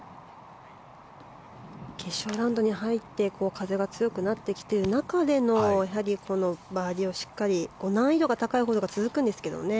決勝ラウンドに入って風が強くなってきている中でのこのバーディーをしっかり難易度が高いホールが続くんですけどね